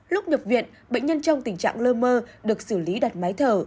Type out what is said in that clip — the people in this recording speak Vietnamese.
lúc nhập viện bệnh nhân trong tình trạng lơ mơ được xử lý đặt máy thở